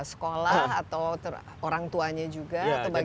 sekolah atau orang tuanya juga atau bagaimana